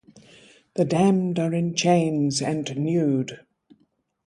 The damned are in chains and nude.